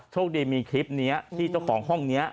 โชคดีมีคลิปนี้ที่เจ้าของห้องนี้